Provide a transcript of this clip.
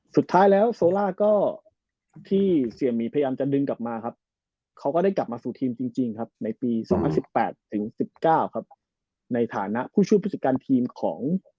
สุดท้ายแล้วโซล่าก็ที่เสียหมีพยายามจะดึงกลับมาครับเขาก็ได้กลับมาสู่ทีมจริงครับในปี๒๐๑๘ถึง๑๙ครับในฐานะผู้ช่วยผู้จัดการทีมของ